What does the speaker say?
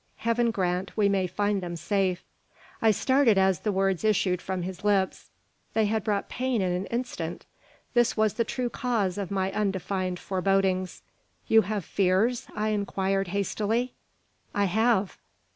Heaven grant we may find them safe!" I started as the words issued from his lips. They had brought pain in an instant. This was the true cause of my undefined forebodings. "You have fears?" I inquired, hastily. "I have."